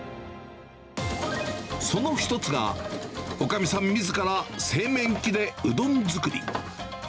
その一つが、おかみさんみずから製麺機でうどん作り。